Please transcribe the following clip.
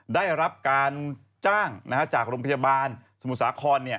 ได้รับการจ้างจากโรงพยาบาลสมุทรสาคร